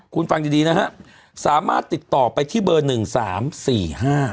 คุณฟังดีดีนะฮะสามารถติดต่อไปที่เบอร์หนึ่งสามสี่ห้า